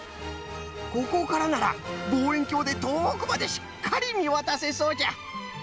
ここからならぼうえんきょうでとおくまでしっかりみわたせそうじゃ。